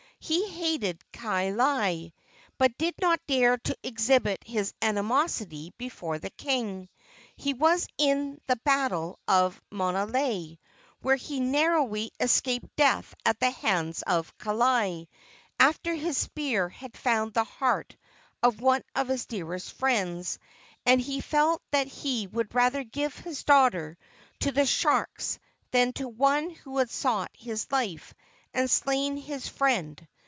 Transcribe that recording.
He hated Kaaialii, but did not dare to exhibit his animosity before the king. He was in the battle of Maunalei, where he narrowly escaped death at the hands of Kaaialii, after his spear had found the heart of one of his dearest friends, and he felt that he would rather give his daughter to the sharks than to one who had sought his life and slain his friend.